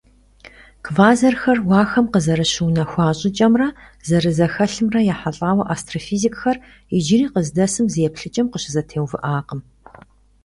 Квазархэр уахэм къызэрыщыунэхуа щIыкIэмрэ зэрызэхэлъымрэ ехьэлIауэ астрофизикхэр иджыри къыздэсым зы еплъыкIэм къыщызэтеувыIакъым.